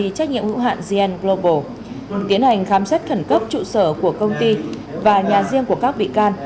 đối tượng nguyễn thị sáu kế toán công ty trách nhiệm hữu hạn zn global tiến hành khám xét khẩn cấp trụ sở của công ty và nhà riêng của các bị can